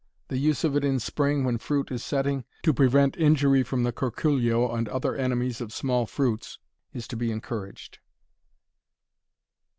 The use of it in spring when fruit is setting, to prevent injury from the curculio and other enemies of small fruits, is to be encouraged.